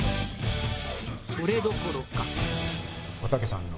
それどころか。